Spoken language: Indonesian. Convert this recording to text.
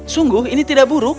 sungguh ini tidak buruk